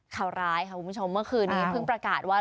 ข่าวร้ายค่ะคุณผู้ชมเมื่อคืนนี้เพิ่งประกาศว่า